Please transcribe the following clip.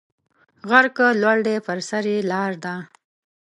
غر که لوړ دی پر سر یې لار ده